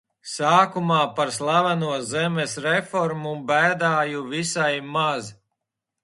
Sākumā par slaveno zemes reformu bēdāju visai maz.